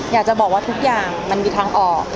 อยากจะบอกว่าทุกอย่างมันมีทางออก